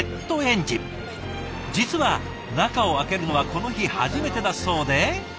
実は中を開けるのはこの日初めてだそうで。